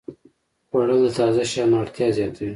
خوړل د تازه شیانو اړتیا زیاتوي